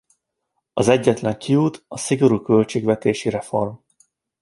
Az egyetlen kiút a szigorú költségvetési reform.